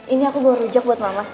ini aku buah rujak buat mama